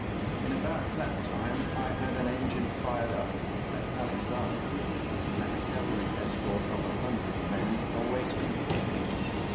In about that time I had an engine fired up at Alexandria, and a cavalry escort of a hundred men awaiting me there.